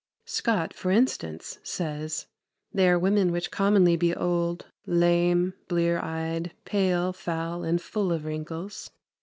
Scot, for instance, says, "They are women which commonly be old, lame, bleare eied, pale, fowle, and full of wrinkles....